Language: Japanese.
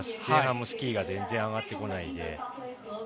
前半もスキーが全然上がってこないで。